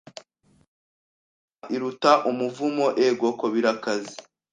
garama iruta umuvumo egoko birakaze